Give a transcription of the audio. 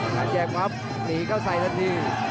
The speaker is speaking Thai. การแยกมั๊บหนีเข้าใสละที